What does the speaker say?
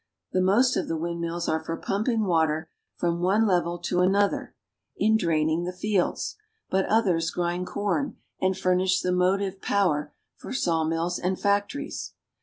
The most of the windmills are for pumping water from one level to another in draining the I4Q THE NETHERLANDS. fields, but others grind corn, and furnish the motive power for sawmills and factories.